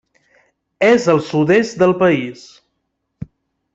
És al sud-est del país.